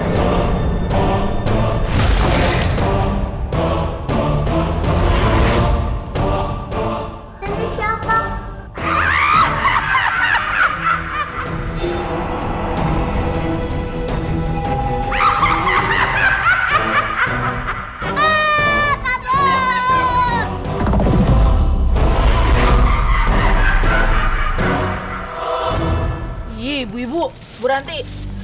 sampai jumpa di video selanjutnya